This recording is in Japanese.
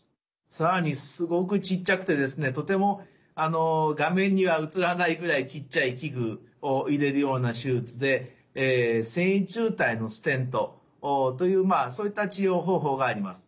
更にすごくちっちゃくてとても画面には映らないぐらいちっちゃい器具を入れるような手術で線維柱帯のステントというそういった治療方法があります。